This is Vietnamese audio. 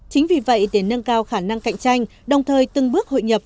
chính vì vậy để nâng cao khả năng cạnh tranh đồng thời từng bước hội nhập